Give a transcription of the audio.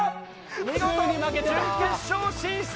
見事、準決勝進出！